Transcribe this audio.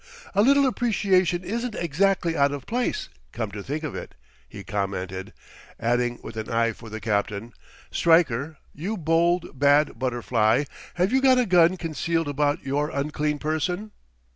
"A little appreciation isn't exactly out of place, come to think of it," he commented, adding, with an eye for the captain: "Stryker, you bold, bad butterfly, have you got a gun concealed about your unclean person?"